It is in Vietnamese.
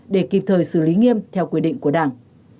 để kịp thời xử lý nghiêm theo quy định của đảng